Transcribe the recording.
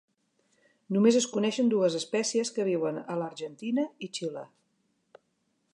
Només es coneixen dues espècies, que viuen a l'Argentina i Xile.